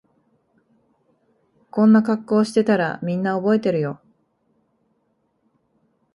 こんな格好してたらみんな覚えてるよ